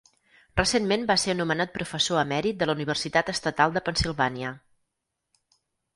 Recentment va ser anomenat professor emèrit de la Universitat Estatal de Pennsilvània.